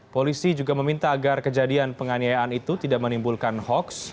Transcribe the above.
polisi juga meminta agar kejadian penganiayaan itu tidak menimbulkan hoaks